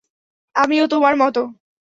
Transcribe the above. আমিও তোমার মতো।